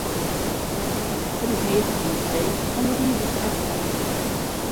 It is meastentiids dreech om de dieders te efterheljen.